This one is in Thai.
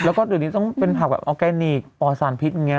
แล้วก็เดี๋ยวนี้ต้องเป็นผักแบบออร์แกนิคปอดสารพิษอย่างนี้